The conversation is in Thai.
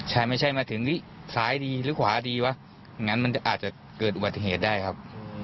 ใช่ไม่ใช่มาถึงซ้ายดีหรือขวาดีวะงั้นมันอาจจะเกิดอุบัติเหตุได้ครับ